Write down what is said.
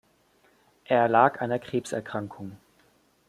Er erlag einer Krebserkrankung.